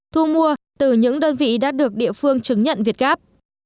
thu mua từ những đơn vị đã được địa phương chứng nhận việt gáp